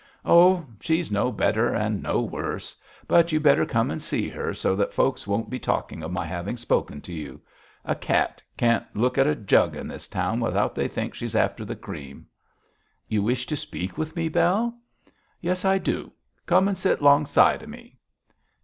'Oh, she's no better and no worse. But you'd better come and see her, so that folks won't be talking of my having spoken to you. A cat can't look at a jug in this town without they think she's after the cream.' 'You wish to speak with me, Bell?' 'Yes, I do; come and sit 'longside of me.'